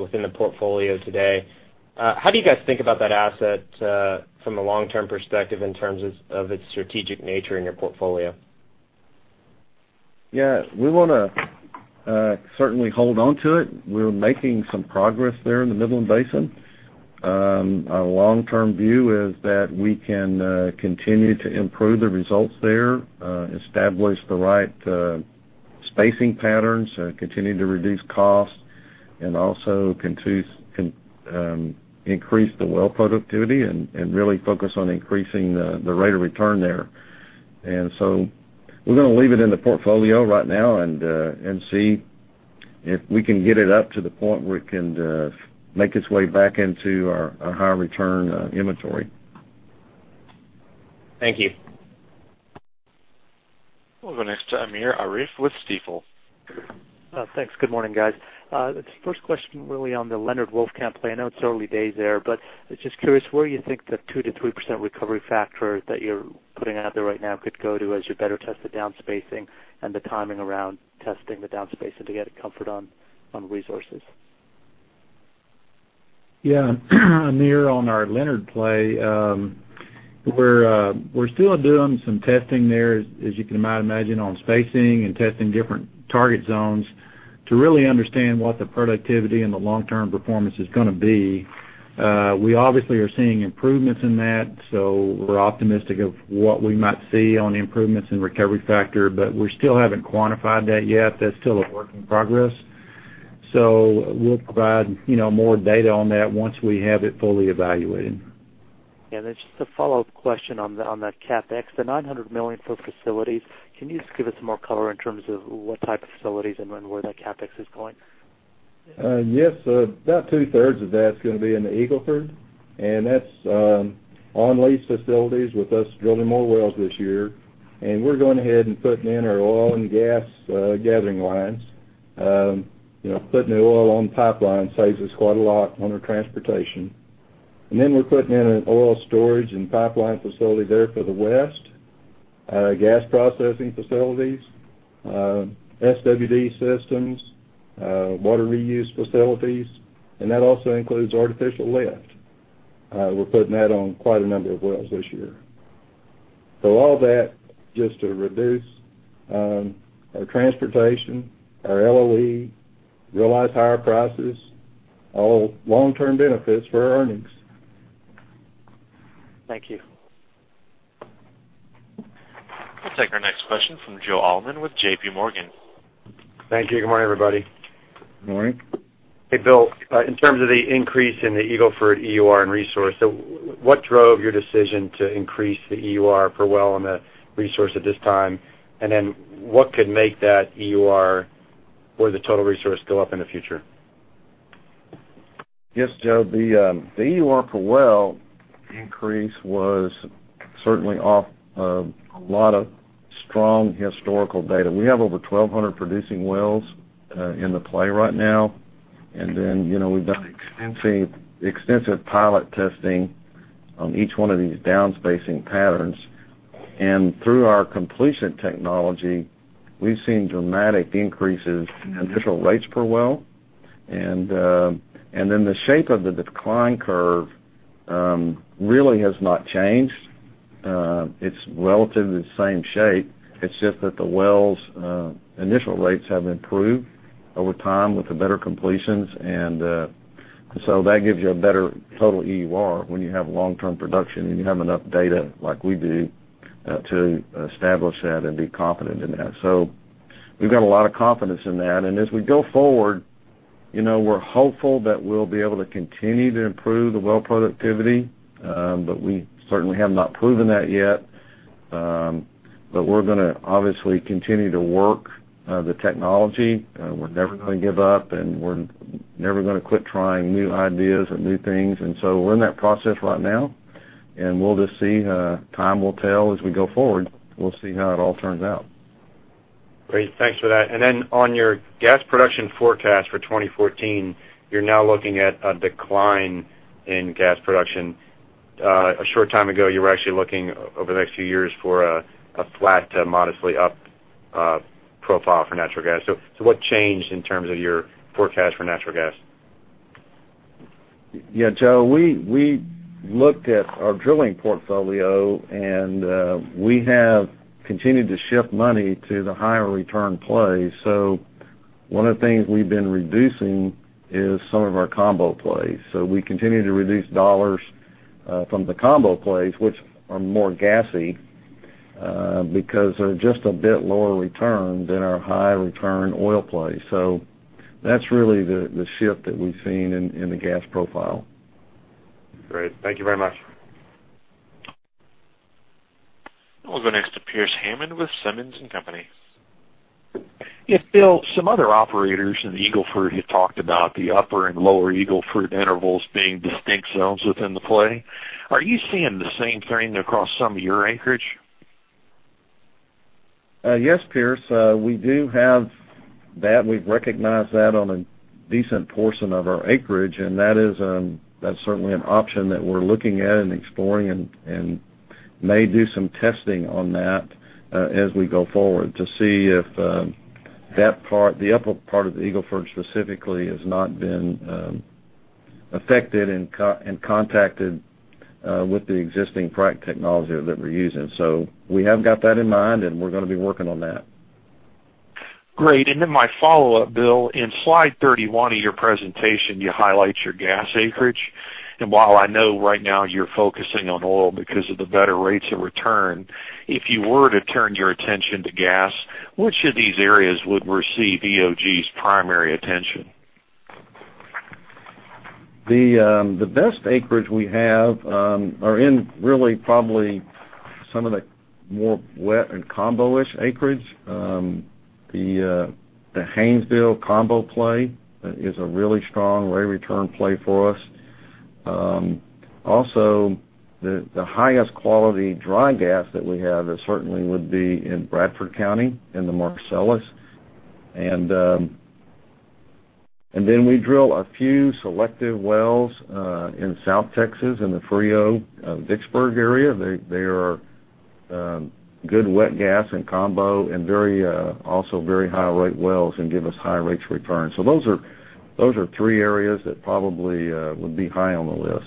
Speaker 8: within the portfolio today. How do you guys think about that asset from a long-term perspective in terms of its strategic nature in your portfolio?
Speaker 4: Yeah. We want to certainly hold on to it. We're making some progress there in the Midland Basin. Our long-term view is that we can continue to improve the results there, establish the right spacing patterns, continue to reduce costs, and also increase the well productivity and really focus on increasing the rate of return there. We're going to leave it in the portfolio right now and see if we can get it up to the point where it can make its way back into our high return inventory.
Speaker 8: Thank you.
Speaker 1: We'll go next to Amir Arif with Stifel.
Speaker 9: Thanks. Good morning, guys. The first question really on the Leonard Wolfcamp play. I know it's early days there, but just curious where you think the 2%-3% recovery factor that you're putting out there right now could go to as you better test the downspacing and the timing around testing the downspacing to get comfort on resources.
Speaker 4: Yeah, Amir, on our Leonard play, we're still doing some testing there, as you might imagine, on spacing and testing different target zones to really understand what the productivity and the long-term performance is going to be. We obviously are seeing improvements in that, so we're optimistic of what we might see on the improvements in recovery factor, but we still haven't quantified that yet. That's still a work in progress. We'll provide more data on that once we have it fully evaluated.
Speaker 9: Yeah. There's just a follow-up question on the CapEx. The $900 million for facilities, can you just give us some more color in terms of what type of facilities and where that CapEx is going?
Speaker 4: Yes. About two-thirds of that's going to be in the Eagle Ford, and that's on lease facilities with us drilling more wells this year. We're going ahead and putting in our oil and gas gathering lines. Putting the oil on pipeline saves us quite a lot on our transportation. We're putting in an oil storage and pipeline facility there for the west, gas processing facilities, SWD systems, water reuse facilities, and that also includes artificial lift. We're putting that on quite a number of wells this year. All that just to reduce our transportation, our LOE, realize higher prices, all long-term benefits for our earnings.
Speaker 9: Thank you.
Speaker 1: We'll take our next question from Joe Allman with JPMorgan.
Speaker 10: Thank you. Good morning, everybody.
Speaker 4: Good morning.
Speaker 10: Hey, Bill. In terms of the increase in the Eagle Ford EUR and resource, what drove your decision to increase the EUR per well on the resource at this time? What could make that EUR or the total resource go up in the future?
Speaker 4: Yes. Joe, the EUR per well increase was certainly off a lot of strong historical data. We have over 1,200 producing wells in the play right now. We've done extensive pilot testing on each one of these downspacing patterns. Through our completion technology, we've seen dramatic increases in initial rates per well. The shape of the decline curve really has not changed. It's relatively the same shape. It's just that the wells' initial rates have improved over time with the better completions. That gives you a better total EUR when you have long-term production, and you have enough data like we do to establish that and be confident in that. We've got a lot of confidence in that. As we go forward, we're hopeful that we'll be able to continue to improve the well productivity, but we certainly have not proven that yet. We're going to obviously continue to work the technology. We're never going to give up. We're never going to quit trying new ideas and new things. We're in that process right now, and we'll just see. Time will tell as we go forward. We'll see how it all turns out.
Speaker 10: Great. Thanks for that. On your gas production forecast for 2014, you're now looking at a decline in gas production. A short time ago, you were actually looking over the next few years for a flat to modestly up profile for natural gas. What changed in terms of your forecast for natural gas?
Speaker 4: Yeah, Joe, we looked at our drilling portfolio. We have continued to shift money to the higher return plays. One of the things we've been reducing is some of our combo plays. We continue to reduce dollars from the combo plays, which are more gassy, because they're just a bit lower return than our high return oil plays. That's really the shift that we've seen in the gas profile.
Speaker 10: Great. Thank you very much.
Speaker 1: We'll go next to Pearce Hammond with Simmons & Company.
Speaker 11: Yes, Bill, some other operators in the Eagle Ford had talked about the upper and lower Eagle Ford intervals being distinct zones within the play. Are you seeing the same thing across some of your acreage?
Speaker 4: Yes, Pearce. We do have that. We've recognized that on a decent portion of our acreage. That's certainly an option that we're looking at and exploring and may do some testing on that as we go forward to see if
Speaker 3: That part, the upper part of the Eagle Ford specifically has not been affected and contacted with the existing frac technology that we're using. We have got that in mind, and we're going to be working on that.
Speaker 11: Great. My follow-up, Bill, in slide 31 of your presentation, you highlight your gas acreage. While I know right now you're focusing on oil because of the better rates of return, if you were to turn your attention to gas, which of these areas would receive EOG's primary attention?
Speaker 3: The best acreage we have are in really probably some of the more wet and combo-ish acreage. The Haynesville combo play is a really strong rate of return play for us. Also, the highest quality dry gas that we have certainly would be in Bradford County, in the Marcellus. We drill a few selective wells in South Texas in the Frio-Vicksburg area. They are good wet gas and combo, also very high rate wells and give us high rates of return. Those are three areas that probably would be high on the list.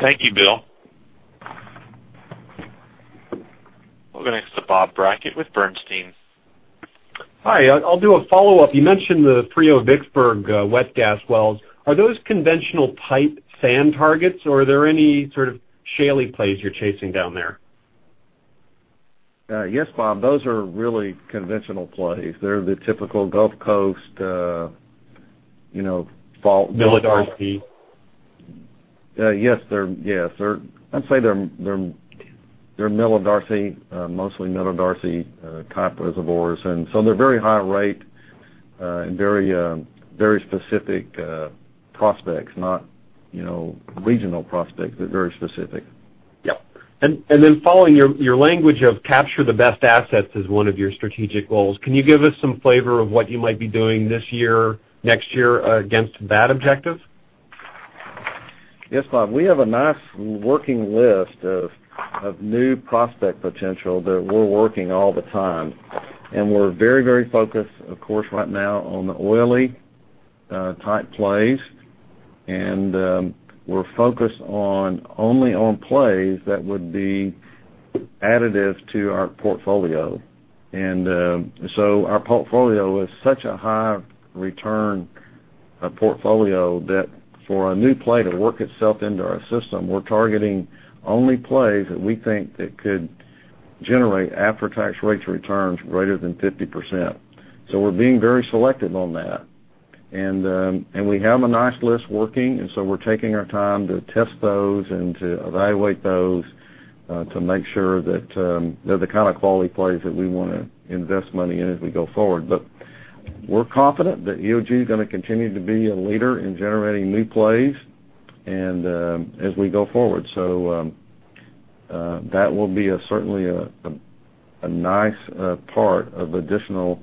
Speaker 11: Thank you, Bill.
Speaker 1: We'll go next to Bob Brackett with Bernstein.
Speaker 12: Hi. I'll do a follow-up. You mentioned the Frio-Vicksburg wet gas wells. Are those conventional type sand targets, or are there any sort of shaley plays you're chasing down there?
Speaker 3: Yes, Bob, those are really conventional plays. They're the typical Gulf Coast.
Speaker 12: millidarcy.
Speaker 3: Yes. I'd say they're mostly millidarcy type reservoirs. They're very high rate and very specific prospects, not regional prospects. They're very specific.
Speaker 12: Yep. Following your language of capture the best assets as one of your strategic goals, can you give us some flavor of what you might be doing this year, next year against that objective?
Speaker 3: Yes, Bob. We have a nice working list of new prospect potential that we're working all the time. We're very focused, of course, right now on the oily type plays. We're focused only on plays that would be additive to our portfolio. Our portfolio is such a high return portfolio that for a new play to work itself into our system, we're targeting only plays that we think that could generate after-tax rates of returns greater than 50%. We're being very selective on that. We have a nice list working, and so we're taking our time to test those and to evaluate those to make sure that they're the kind of quality plays that we want to invest money in as we go forward. We're confident that EOG is going to continue to be a leader in generating new plays as we go forward. That will be certainly a nice part of additional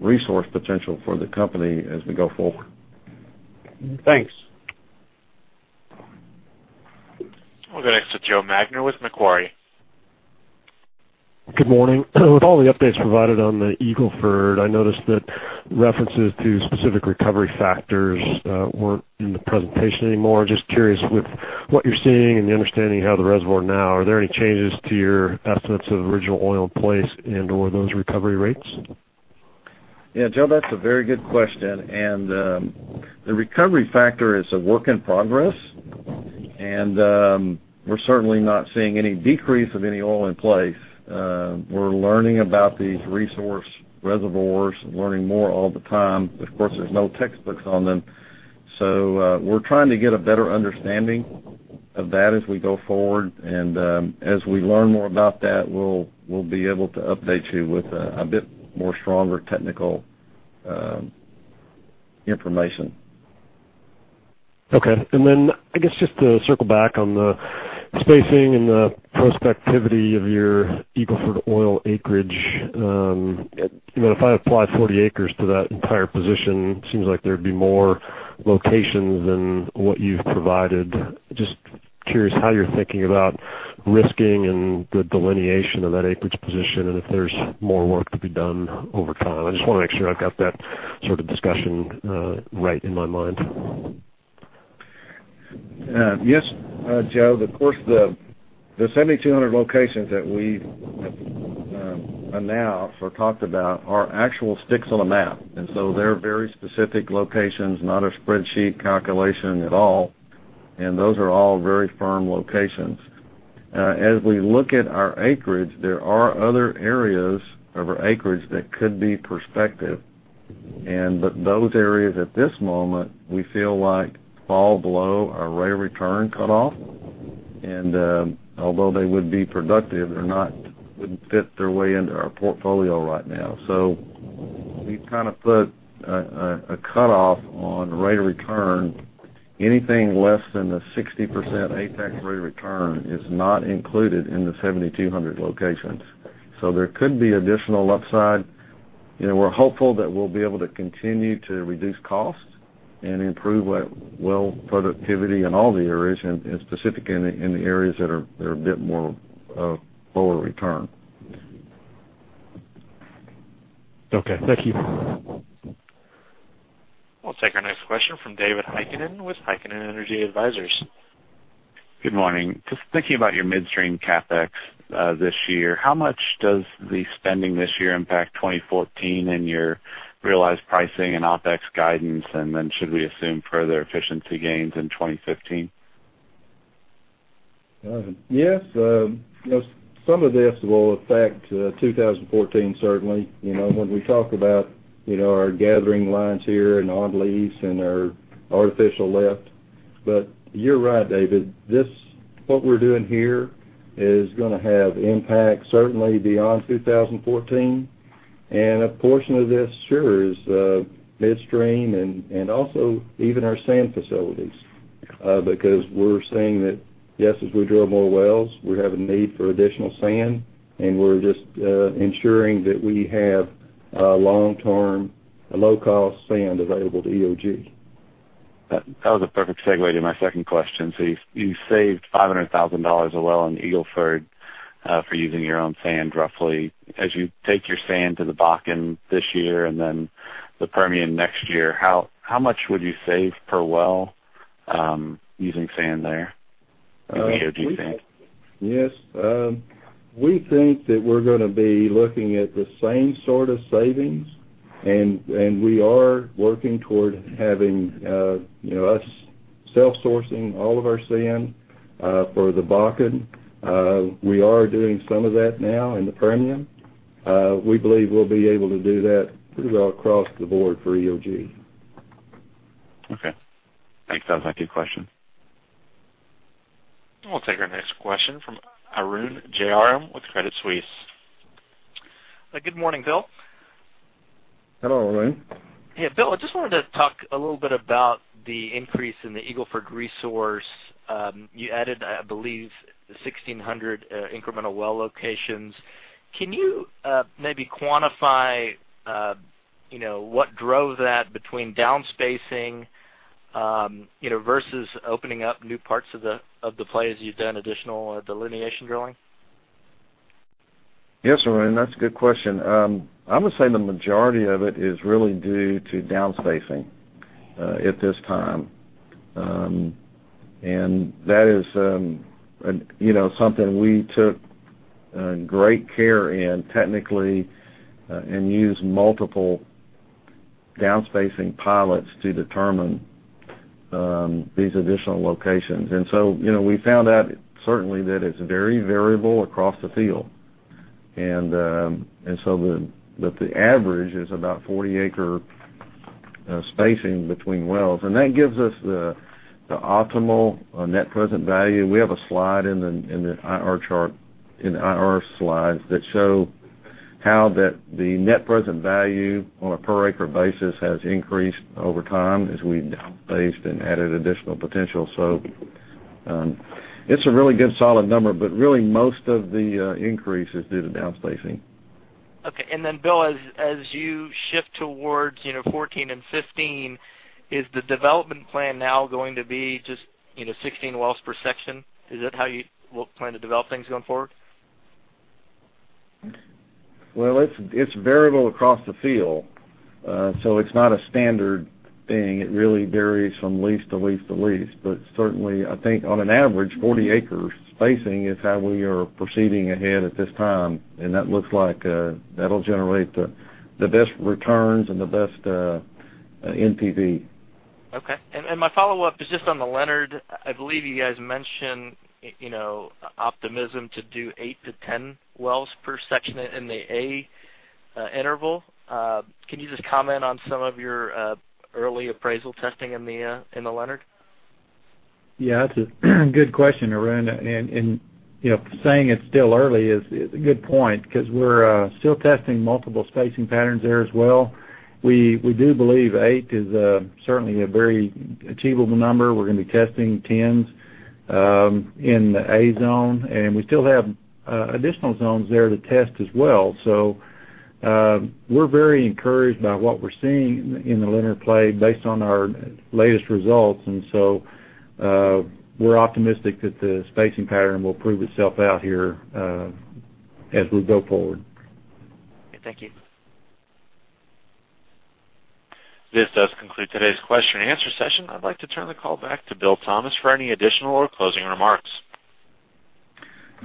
Speaker 3: resource potential for the company as we go forward.
Speaker 12: Thanks.
Speaker 1: We'll go next to Joseph Magner with Macquarie.
Speaker 13: Good morning. With all the updates provided on the Eagle Ford, I noticed that references to specific recovery factors weren't in the presentation anymore. Just curious with what you're seeing and your understanding of the reservoir now, are there any changes to your estimates of original oil in place and/or those recovery rates?
Speaker 3: Yeah, Joe, that's a very good question. The recovery factor is a work in progress. We're certainly not seeing any decrease of any oil in place. We're learning about these resource reservoirs, learning more all the time. Of course, there's no textbooks on them. We're trying to get a better understanding of that as we go forward. As we learn more about that, we'll be able to update you with a bit more stronger technical information.
Speaker 13: Okay. I guess just to circle back on the spacing and the prospectivity of your Eagle Ford oil acreage. If I apply 40 acres to that entire position, seems like there'd be more locations than what you've provided. Just curious how you're thinking about risking and the delineation of that acreage position and if there's more work to be done over time. I just want to make sure I've got that sort of discussion right in my mind.
Speaker 3: Yes, Joe. Of course, the 7,200 locations that we have announced or talked about are actual sticks on a map, they're very specific locations, not a spreadsheet calculation at all, and those are all very firm locations. As we look at our acreage, there are other areas of our acreage that could be prospective. Those areas at this moment, we feel like fall below our rate of return cutoff. Although they would be productive, wouldn't fit their way into our portfolio right now. We've kind of put a cutoff on rate of return. Anything less than a 60% after-tax rate of return is not included in the 7,200 locations. There could be additional upside
Speaker 4: We're hopeful that we'll be able to continue to reduce costs and improve well productivity in all the areas, and specifically in the areas that are a bit more lower return.
Speaker 13: Okay, thank you.
Speaker 1: We'll take our next question from David Heikkinen with Heikkinen Energy Advisors.
Speaker 14: Good morning. Just thinking about your midstream CapEx this year, how much does the spending this year impact 2014 and your realized pricing and OpEx guidance? Should we assume further efficiency gains in 2015?
Speaker 4: Yes. Some of this will affect 2014, certainly. When we talk about our gathering lines here and on lease and our artificial lift. You're right, David, what we're doing here is going to have impact certainly beyond 2014, a portion of this sure is midstream and also even our sand facilities. We're seeing that, yes, as we drill more wells, we have a need for additional sand, and we're just ensuring that we have long-term, low-cost sand available to EOG.
Speaker 14: That was a perfect segue to my second question. You saved $500,000 a well in Eagle Ford for using your own sand roughly. As you take your sand to the Bakken this year and then the Permian next year, how much would you save per well using sand there a year, do you think?
Speaker 4: Yes. We think that we're going to be looking at the same sort of savings. We are working toward having us self-sourcing all of our sand for the Bakken. We are doing some of that now in the Permian. We believe we'll be able to do that pretty well across the board for EOG.
Speaker 14: Okay. Thanks. That was my two questions.
Speaker 1: I'll take our next question from Arun Jayaram with Credit Suisse.
Speaker 15: Good morning, Bill.
Speaker 3: Hello, Arun.
Speaker 15: Hey, Bill, I just wanted to talk a little bit about the increase in the Eagle Ford resource. You added, I believe, 1,600 incremental well locations. Can you maybe quantify what drove that between downspacing versus opening up new parts of the play as you've done additional delineation drilling?
Speaker 3: Yes, Arun, that's a good question. I would say the majority of it is really due to downspacing at this time. That is something we took great care in technically and used multiple downspacing pilots to determine these additional locations. We found out certainly that it's very variable across the field, and so the average is about 40 acre spacing between wells. That gives us the optimal net present value. We have a slide in the IR chart, in the IR slides that show how that the net present value on a per acre basis has increased over time as we downspaced and added additional potential. It's a really good solid number, but really most of the increase is due to downspacing.
Speaker 15: Okay. Then Bill, as you shift towards 2014 and 2015, is the development plan now going to be just 16 wells per section? Is that how you will plan to develop things going forward?
Speaker 3: Well, it's variable across the field. It's not a standard thing. It really varies from lease to lease to lease. Certainly, I think on an average, 40 acres spacing is how we are proceeding ahead at this time, and that looks like that'll generate the best returns and the best NPV.
Speaker 15: Okay. My follow-up is just on the Leonard. I believe you guys mentioned optimism to do eight to 10 wells per section in the A interval. Can you just comment on some of your early appraisal testing in the Leonard?
Speaker 3: Yeah, that's a good question, Arun. Saying it's still early is a good point because we're still testing multiple spacing patterns there as well. We do believe eight is certainly a very achievable number. We're going to be testing 10s in the A zone, and we still have additional zones there to test as well. We're very encouraged by what we're seeing in the Leonard play based on our latest results, and so we're optimistic that the spacing pattern will prove itself out here as we go forward.
Speaker 15: Thank you.
Speaker 1: This does conclude today's question and answer session. I'd like to turn the call back to Bill Thomas for any additional or closing remarks.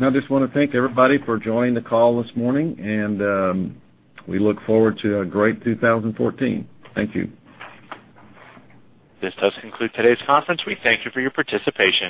Speaker 3: I just want to thank everybody for joining the call this morning, and we look forward to a great 2014. Thank you.
Speaker 1: This does conclude today's conference. We thank you for your participation.